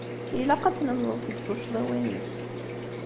Ilaq ad tlemdeḍ seg tuccḍiwin-ik.